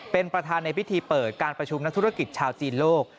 เป็นประธานในพิธีเปิดการประชุมนักธุรกิจชาวจีนโลก